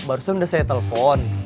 barusan udah saya telepon